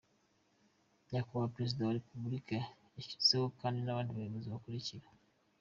Nyakubahwa Perezida wa Repubulika yashyizeho kandi n’abandi Bayobozi bakurikira:.